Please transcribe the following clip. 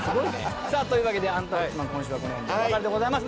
さあというわけで『アンタウォッチマン！』今週はこの辺でお別れでございます。